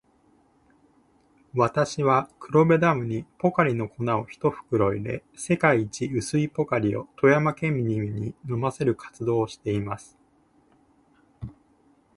私は、黒部ダムにポカリの粉を一袋入れ、世界一薄いポカリを富山県民に飲ませる活動をしています。